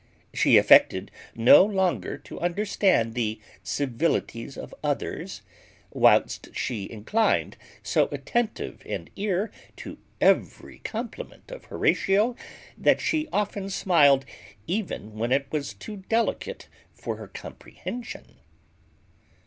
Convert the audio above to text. She affected no longer to understand the civilities of others; whilst she inclined so attentive an ear to every compliment of Horatio, that she often smiled even when it was too delicate for her comprehension.